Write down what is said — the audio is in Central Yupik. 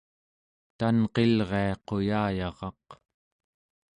tanqilria quyayaraq